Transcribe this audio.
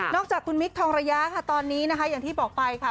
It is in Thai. นอกจากคุณมิคทองระยะตอนนี้อย่างที่บอกไปค่ะ